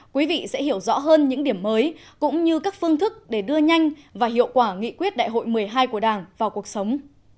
quý vị sẽ hiểu rõ hơn những điểm mới cũng như các phương thức để đưa nhanh và hiệu quả nghị quyết đại hội một mươi hai của đảng vào cuộc sống